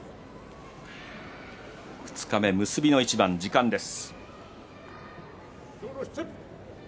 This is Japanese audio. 二日目、結びの一番時間です。